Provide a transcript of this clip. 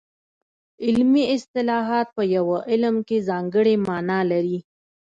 علمي اصطلاحات په یو علم کې ځانګړې مانا لري